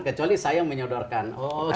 kecuali saya yang menyodorkan